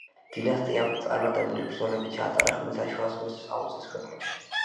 დინასტიამ წარმატებული ბრძოლები ჩაატარა ხმელთაშუა ზღვის აუზის ქვეყნებში.